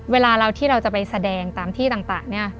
เวลาที่เราจะไปแสดงตามที่ต่าง